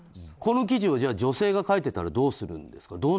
この記事を女性が書いていたらどうするんですか。